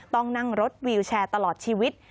ต้องนั่งรถวิวแชร์ตลอดชีวิต